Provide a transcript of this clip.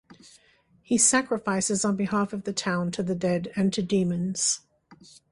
He sacrifices on behalf of the town to the dead and to demons.